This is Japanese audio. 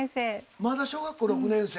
まだ小学校６年生。